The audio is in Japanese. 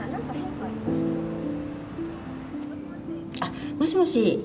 あっもしもし？